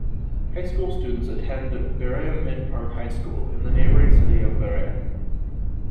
High school students attend Berea-Midpark High School, in the neighboring city of Berea.